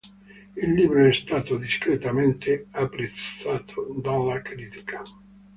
Il libro è stato discretamente apprezzato dalla critica.